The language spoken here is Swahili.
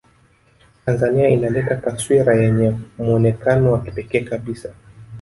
Tanzania inaleta taswira yenye muonekano wa kipekee kabisa